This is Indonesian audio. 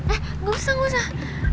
eh gak usah gak usah